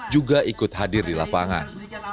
juga ikut hadir di lapangan